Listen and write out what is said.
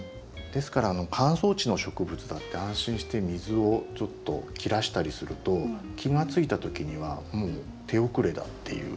ですから乾燥地の植物だって安心して水をちょっと切らしたりすると気が付いた時にはもう手遅れだっていう。